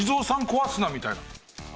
壊すなみたいな。